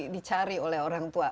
yang di cari oleh orang tua